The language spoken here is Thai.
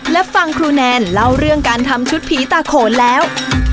และฟังครูแนนเล่าเรื่องการทำชุดผีตาโขนแล้ว